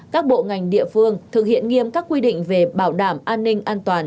các bộ ngành địa phương thực hiện nghiêm các quy định về bảo đảm an ninh an toàn